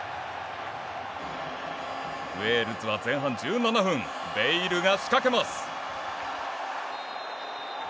ウェールズは前半１７分ベイルが仕掛けます。